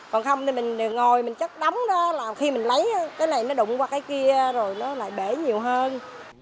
còn không thì mình ngồi mình chất đóng đó là khi mình lấy cái này nó đụng qua cái kia rồi nó lại bể nhiều hơn